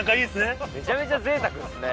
めちゃめちゃぜいたくですね。